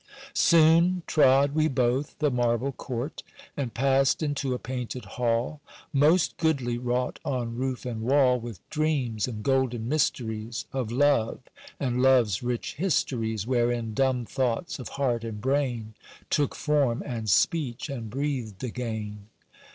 Soon trod we both the marble court, And passed into a painted hall, Most goodly wrought on roof and wall With dreams, and golden mysteries Of love and love's rich histories Wherein dumb thoughts of heart and brain Took form and speech and breathed again.